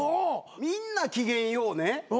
みんな機嫌良うね